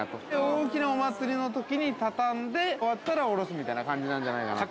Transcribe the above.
大きなお祭りのときに畳んで終わったらおろすみたいな感じなんじゃないかなと。